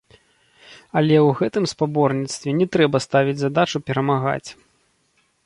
Але ў гэтым спаборніцтве не трэба ставіць задачу перамагаць.